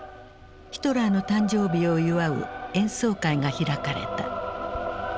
ヒトラーの誕生日を祝う演奏会が開かれた。